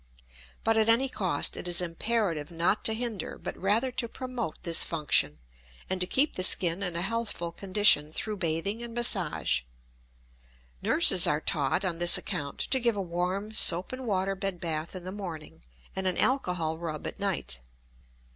But at any cost it is imperative not to hinder but rather to promote this function and to keep the skin in a healthful condition through bathing and massage. Nurses are taught, on this account, to give a warm soap and water bed bath in the morning and an alcohol rub at night.